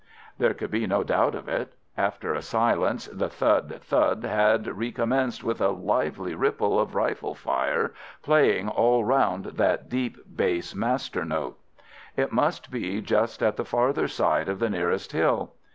There could be no doubt of it. After a silence the thud thud had recommenced with a lively ripple of rifle fire playing all round that deep bass master note. It must be just at the farther side of the nearest hill.